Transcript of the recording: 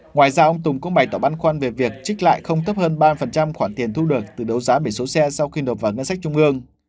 ngoài ra ông tùng cũng bày tỏ băn khoăn về việc trích lại không thấp hơn ba khoản tiền thu được từ đấu giá biển số xe sau khi nộp vào ngân sách trung ương